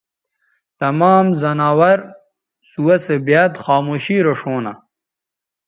تمام زناور سُوہ سو بیاد خاموشی رے ݜؤں نہ